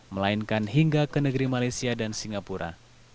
melainkan hingga ke negeri malaysia dan singapura